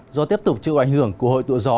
do tiếp tục chịu ảnh hưởng của hội tụ gió